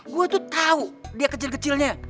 gua tuh tau dia kecil kecilnya